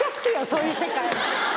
そういう世界。